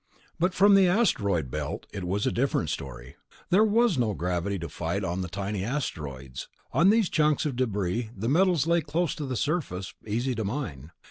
But from the Asteroid Belt, it was a different story. There was no gravity to fight on the tiny asteroids. On these chunks of debris, the metals lay close to the surface, easy to mine.